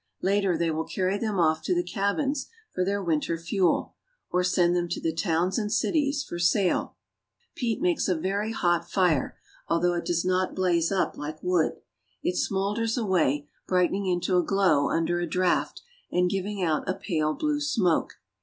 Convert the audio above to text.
Later they will carry them off to the cabins for their winter fuel, or send them to the towns and cities for sale. A Peat Bed. Peat makes a very hot fire, although it does not blaze up like wood. It smolders away, brightening into a glow under a draft, and giving out a pale blue smoke.